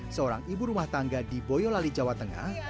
seorang ibu rumah tangga di boyolali jawa tengah